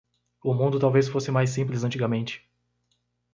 O mundo talvez fosse mais simples antigamente